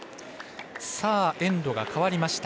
エンドが替わりました。